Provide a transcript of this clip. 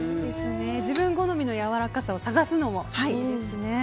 自分好みのやわらかさを探すのもいいですね。